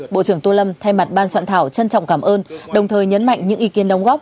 bộ trưởng tô lâm thay mặt ban soạn thảo trân trọng cảm ơn đồng thời nhấn mạnh những ý kiến đóng góp